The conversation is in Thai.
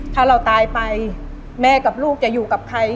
ถ้าเราตายไปแม่กับลูกจะอยู่กับใคร